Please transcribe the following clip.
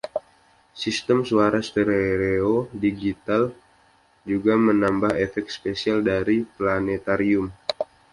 Sistem suara stereo digital juga menambah efek spesial dari planetarium.